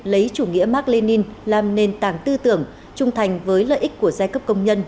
lấy chủ nghĩa mark lenin làm nền tảng tư tưởng trung thành với lợi ích của giai cấp công nhân